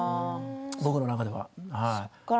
僕の中では。